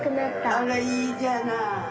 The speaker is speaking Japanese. あらいいじゃない！